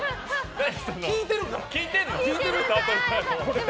聞いてるから！